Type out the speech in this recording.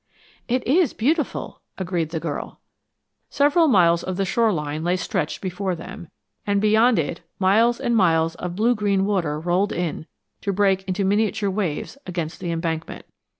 "It is beautiful," agreed the girl. Several miles of the shore line lay stretched before them, and beyond it miles and miles of blue green water rolled in, to break into miniature waves against the embankment.